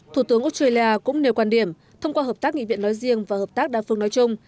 thủ tướng australia cũng nêu quan điểm thông qua hợp tác nghị viện nói riêng và hợp tác đa phương nói chung